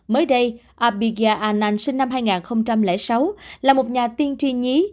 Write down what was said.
mới đây abiga an sinh năm hai nghìn sáu là một nhà tiên tri nhí